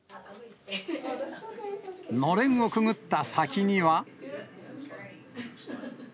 のれんをくぐった先には。